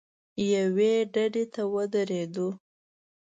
یوې ډډې ته ودرېدو.